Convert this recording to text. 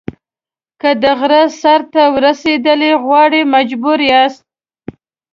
که د غره سر ته رسېدل غواړئ مجبور یاست.